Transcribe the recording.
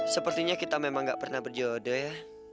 sepertinya kita memang gak pernah berjodoh ya